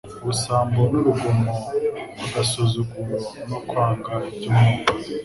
Ubusambo n'urugomo, agasuzuguro no kwanga iby'umwuka,